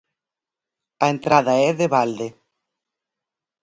A entrada é de balde.